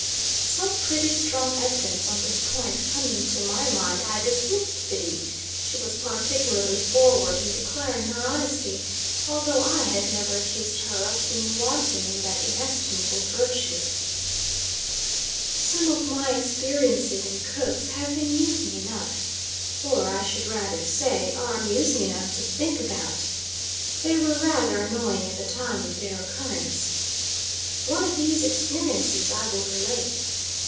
Some pretty strong evidence on this point coming to my mind, I dismissed Biddy, who was particularly forward in declaring her honesty, although I had never accused her of being wanting in that inestimable virtue. Some of my experiences in cooks have been musing enough. Or, I should rather say, are musing enough to think about: they were rather annoying at the time of their occurrence. One of these experiences I will relate.